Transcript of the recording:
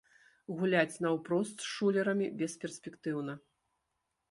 Гуляць наўпрост з шулерамі бесперспектыўна.